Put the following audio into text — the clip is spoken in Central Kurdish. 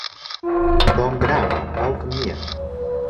تۆم برامە، باوکم نییە.